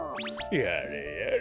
やれやれ。